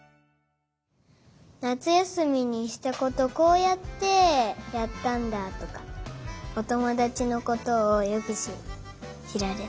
なつやすみにしたことこうやってやったんだとかおともだちのことをよくしられた。